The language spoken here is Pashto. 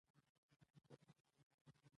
په مخلوقاتو کي به بل هېچا ته داسي عذاب ورنکړم